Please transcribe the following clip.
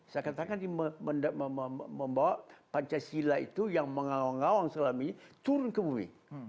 saya katakan ini membawa pancasila itu yang mengawang awang selama ini turun ke bumi